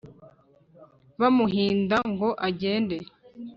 bamuhinda ngo agende